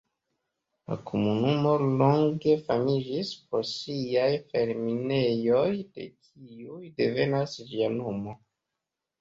La komunumo longe famiĝis pro siaj fer-minejoj, de kiuj devenas ĝia nomo.